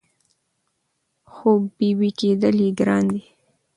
خو بېبي کېدل یې ګران دي